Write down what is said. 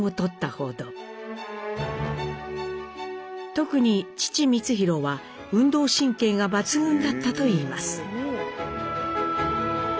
特に父光宏は運動神経が抜群だったといいます。